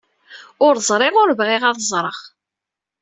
Ur ẓriɣ, ur bɣiɣ ad ẓreɣ.